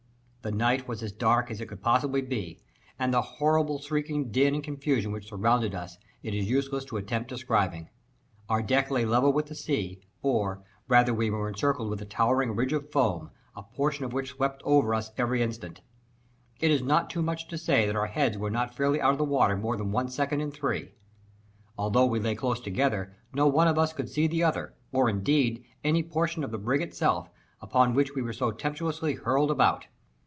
The night was as dark as it could possibly be, and the horrible shrieking din and confusion which surrounded us it is useless to attempt describing. Our deck lay level with the sea, or rather we were encircled with a towering ridge of foam, a portion of which swept over us every instant. It is not too much to say that our heads were not fairly out of the water more than one second in three. Although we lay close together, no one of us could see the other, or, indeed, any portion of the brig itself, upon which we were so tempestuously hurled about.